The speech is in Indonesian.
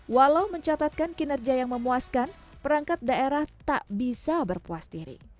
walau mencatatkan kinerja yang memuaskan perangkat daerah tak bisa berpuas diri